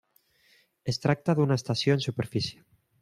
Es tracta d'una estació en superfície.